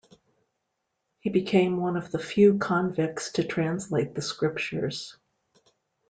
He became one of the few convicts to translate the Scriptures.